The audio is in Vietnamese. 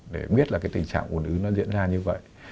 để biết là tình trạng ồn ứ diễn ra như vậy